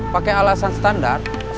pakai alasan standar